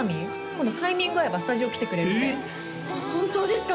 今度タイミング合えばスタジオ来てくれるって本当ですか？